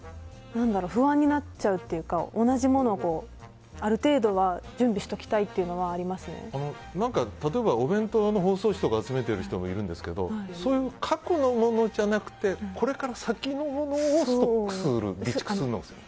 不安になっちゃうっていうか同じものをある程度は準備しときたいというのは例えば、お弁当の包装紙とかを集めてる人がいますけどそういう、過去のものじゃなくてこれから先のものをストックするんですね。